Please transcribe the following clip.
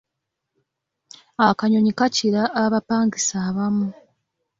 Akanyonyi kakira abapangisa abamu.